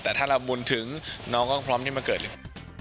แต่ถ้าเราบุญถึงน้องก็พร้อมที่มาเกิดเลย